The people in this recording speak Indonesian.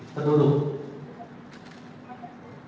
berada di sisi sebelah kiri